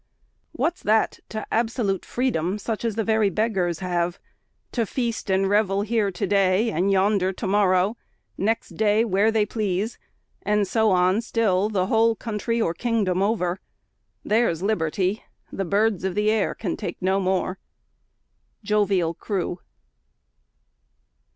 What's that to absolute freedom, such as the very beggars have; to feast and revel here to day, and yonder to morrow; next day where they please; and so on still, the whole country or kingdom over? There's liberty! the birds of the air can take no more. JOVIAL CREW.